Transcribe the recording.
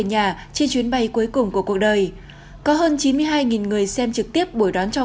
nhà trên chuyến bay cuối cùng của cuộc đời có hơn chín mươi hai người xem trực tiếp buổi đón chào